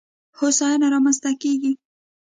هوساینه رامنځته کېږي.